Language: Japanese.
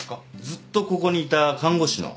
ずっとここにいた看護師の。